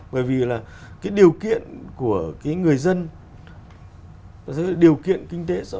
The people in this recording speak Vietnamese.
bởi vì là cái điều kiện của cái người dân điều kiện kinh tế